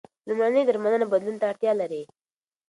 لومړنۍ درملنه بدلون ته اړتیا لري.